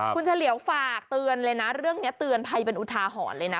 คุณเฉลียวฝากเตือนเลยนะเรื่องนี้เตือนภัยเป็นอุทาหรณ์เลยนะ